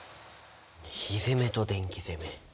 火攻めと電気攻め。